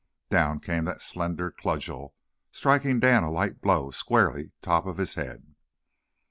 Down came that slender cudgel, striking Dan a light blow squarely top of his head.